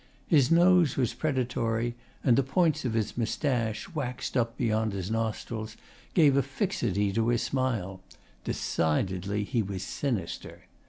His nose was predatory, and the points of his moustache, waxed up beyond his nostrils, gave a fixity to his smile. Decidedly, he was sinister.